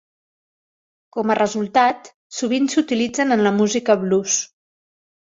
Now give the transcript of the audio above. Com a resultat, sovint s'utilitzen en la música blues.